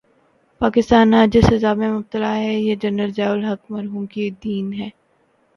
پاکستان آج جس عذاب میں مبتلا ہے، یہ جنرل ضیاء الحق مرحوم کی دین ہے۔